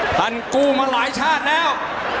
กู้มาหลายชาติแล้ว